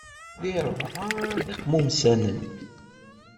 Di rebɛa d iqmumsanen.